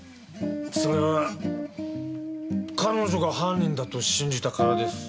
それは彼女が犯人だと信じたからです。